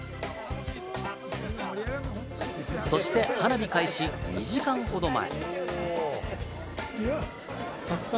そして花火開始２時間ほど前。